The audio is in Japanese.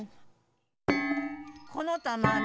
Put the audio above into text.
この玉編み。